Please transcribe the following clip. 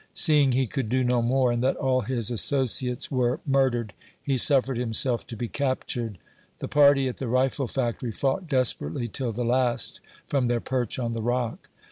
See ing he could do no more, and that all his associates were murdered, he Buffered himself to be captured. The party at the rifle factory fought desperately till the last, from their perch on the rock.